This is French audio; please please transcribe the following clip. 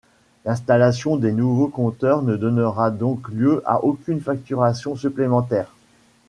L’installation des nouveaux compteurs ne donnera donc lieu à aucune facturation supplémentaire.